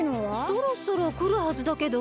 そろそろくるはずだけど。